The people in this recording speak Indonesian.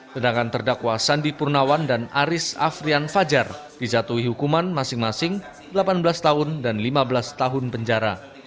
sedangkan terdakwa sandi purnawan dan aris afrian fajar dijatuhi hukuman masing masing delapan belas tahun dan lima belas tahun penjara